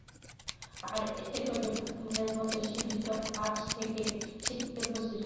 আর এতে করে প্রথমবারের মতো শীর্ষ পাঁচ থেকে ছিটকে পড়েছে যুক্তরাজ্য।